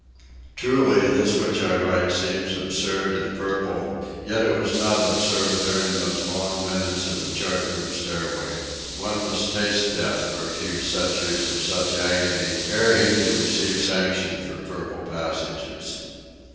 Truly, this which I write seems absurd and purple; yet it was not absurd during those long minutes on the chart room stairway. One must taste death for a few centuries of such agony ere he can receive sanction for purple passages.